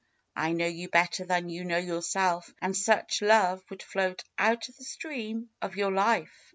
I know you better than you know your self, and such love would float out of the stream of your life."